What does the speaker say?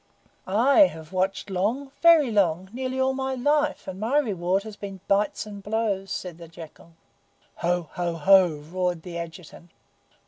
'" "I have watched long very long nearly all my life, and my reward has been bites and blows," said the Jackal. "Ho! ho! ho!" roared the Adjutant.